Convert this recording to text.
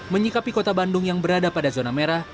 menyikapi kota bandung yang berada pada zona merah